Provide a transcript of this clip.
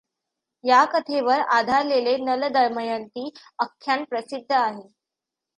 या कथेवर आधारलेले नल दमयंती आख्यान प्रसिद्ध आहे.